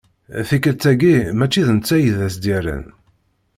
Tikkelt-agi mačči d netta i d as-d-yerran.